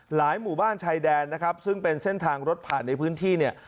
หมู่บ้านชายแดนนะครับซึ่งเป็นเส้นทางรถผ่านในพื้นที่เนี่ย